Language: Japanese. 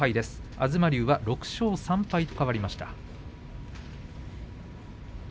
東龍は６勝３敗と変わりました。